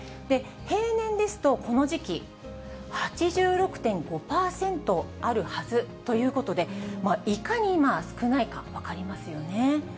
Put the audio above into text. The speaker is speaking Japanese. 平年ですと、この時期、８６．５％あるはずということで、いかに今、少ないか、分かりますよね。